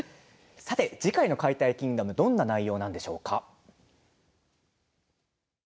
次回の「解体キングダム」はどんな内容なんでしょうか。